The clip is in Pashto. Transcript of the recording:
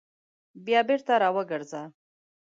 بیا بېرته راوګرځه !